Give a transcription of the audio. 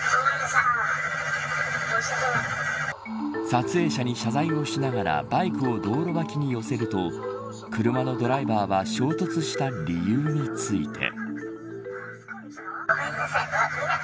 撮影者に謝罪をしながらバイクを道路脇に寄せると車のドライバーは衝突した理由について。